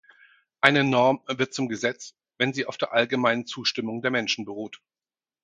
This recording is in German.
Eine Norm wird zum Gesetz, wenn sie auf der allgemeinen Zustimmung der Menschen beruht.